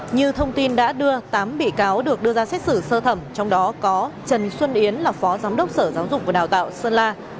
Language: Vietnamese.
như thông tin đã đưa tám bị cáo được đưa ra xét xử sơ thẩm trong đó có trần xuân yến là phó giám đốc sở giáo dục và đào tạo sơn la